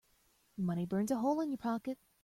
Money burns a hole in your pocket.